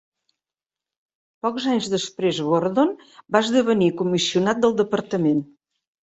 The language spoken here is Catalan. Pocs anys després Gordon va esdevenir comissionat del departament.